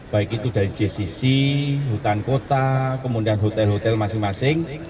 baik itu dari jcc hutan kota kemudian hotel hotel masing masing